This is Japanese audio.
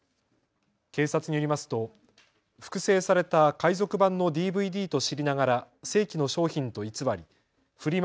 警察によりますと複製された海賊版のＤＶＤと知りながら正規の商品と偽りフリマ